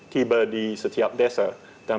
tiba di setiap desa dan